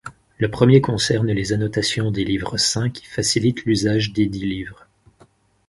Le premier concerne les annotations des livres saints qui facilitent l'usage desdits livres.